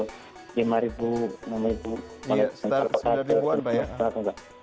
iya sekitar sembilan jutaan banyak